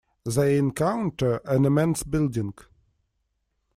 They encounter an immense building.